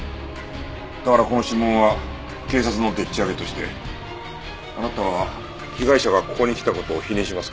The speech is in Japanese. だからこの指紋は警察のでっちあげとしてあなたは被害者がここに来た事を否認しますか？